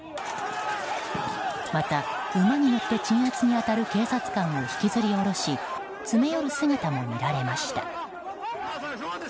また、馬に乗って鎮圧に当たる警察官を引きずり降ろし詰め寄る姿も見られました。